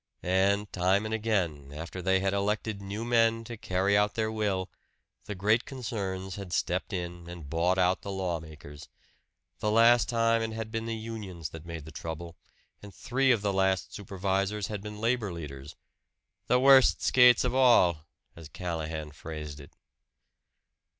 And time and again, after they had elected new men to carry out their will, the great concerns had stepped in and bought out the law makers. The last time it had been the unions that made the trouble; and three of the last supervisors had been labor leaders "the worst skates of all," as Callahan phrased it.